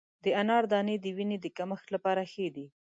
د انار دانې د وینې د کمښت لپاره ښه دي.